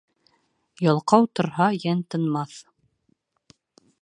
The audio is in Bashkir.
Ялҡау торһа, йән тынмаҫ.